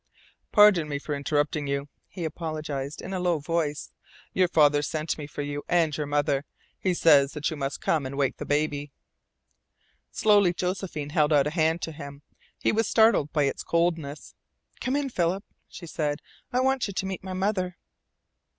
"Pardon me for interrupting you," he apologized in a low voice. "Your father sent me for you and your mother. He says that you must come and wake the baby." Slowly Josephine held out a hand to him. He was startled by its coldness. "Come in, Philip," she said. "I want you to meet my mother."